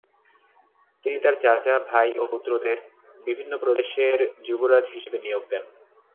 তিনি তার চাচা, ভাই ও পুত্রদের বিভিন্ন প্রদেশের যুবরাজ হিসেবে নিয়োগ দেন।